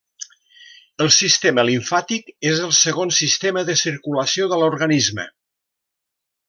El sistema limfàtic és el segon sistema de circulació de l'organisme.